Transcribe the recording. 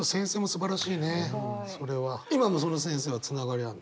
今のその先生はつながりあるの？